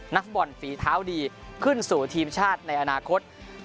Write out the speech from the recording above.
นักฟุตบอลฝีเท้าดีขึ้นสู่ทีมชาติในอนาคต